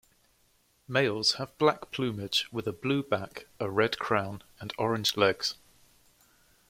Males have black plumage with a blue back, a red crown and orange legs.